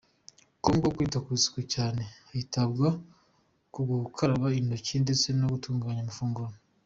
Congo kwita ku isuku cyane, hitabwa ku gukaraba intoki ndetse no gutunganya amafunguro.